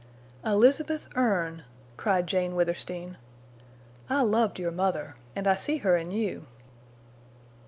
"Elizabeth Erne!" cried Jane Withersteen. "I loved your mother and I see her in you!"